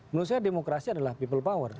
menurut saya demokrasi adalah people power